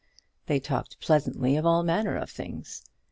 They talked pleasantly of all manner of things.